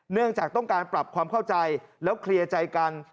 เนื่องจากต้องการปรับความเข้าใจแล้วเคลียร์ใจกัน